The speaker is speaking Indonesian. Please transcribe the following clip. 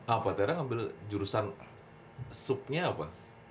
apa tera ngambil jurusan supnya apa